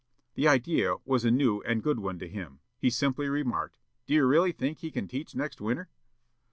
"The idea was a new and good one to him. He simply remarked, 'Do you really think he can teach next winter?'